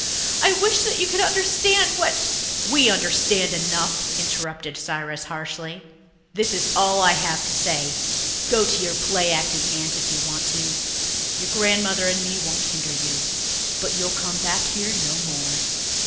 I wish that you could understand what...." "We understand enough," interrupted Cyrus harshly. "This is all I have to say. Go to your play acting aunt if you want to. Your grandmother and me won't hinder you. But you'll come back here no more.